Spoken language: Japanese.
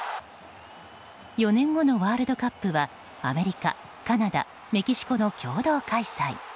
４年後のワールドカップはアメリカ、カナダ、メキシコの共同開催。